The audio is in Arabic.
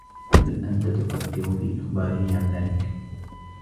هل أنت تفكّر في إخباره عن ذلك؟